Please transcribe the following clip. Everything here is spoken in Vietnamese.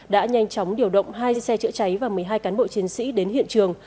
đã nhanh chóng điều động hai xe chữa cháy và một mươi hai cán bộ chiến sĩ đến hiện trường